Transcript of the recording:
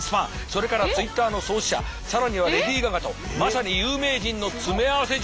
それからＴｗｉｔｔｅｒの創始者更にはレディー・ガガとまさに有名人の詰め合わせ状態だ。